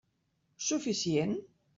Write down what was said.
Suficient?